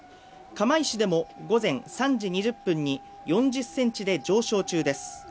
釜石市でも午前３時２０分に４０センチで上昇中です。